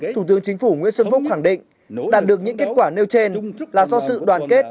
thủ tướng chính phủ nguyễn xuân phúc khẳng định đạt được những kết quả nêu trên là do sự đoàn kết